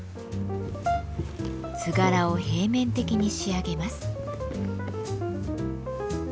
図柄を平面的に仕上げます。